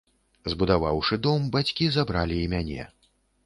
Збудаваўшы дом, бацькі забралі і мяне.